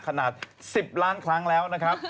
ขนาด๑๐ล้านครั้งแล้ว